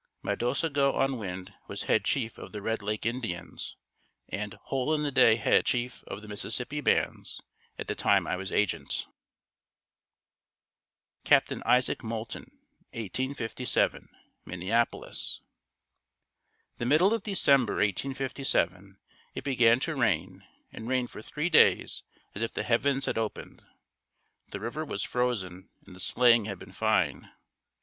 Ma dosa go onwind was head chief of the Red Lake Indians and Hole in the day head chief of the Mississippi bands at the time I was agent. Captain Isaac Moulton 1857, Minneapolis. The middle of December 1857, it began to rain and rained for three days as if the heavens had opened. The river was frozen and the sleighing had been fine.